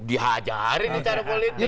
diajarin secara politik